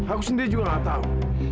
aku sendiri juga gak tau